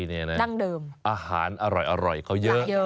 สุโขทัยเนี่ยนะอาหารอร่อยเขาเยอะ